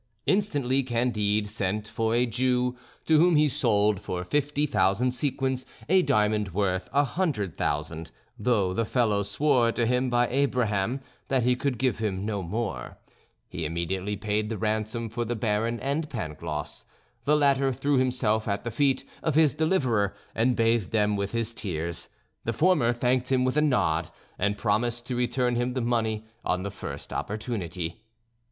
Instantly Candide sent for a Jew, to whom he sold for fifty thousand sequins a diamond worth a hundred thousand, though the fellow swore to him by Abraham that he could give him no more. He immediately paid the ransom for the Baron and Pangloss. The latter threw himself at the feet of his deliverer, and bathed them with his tears; the former thanked him with a nod, and promised to return him the money on the first opportunity.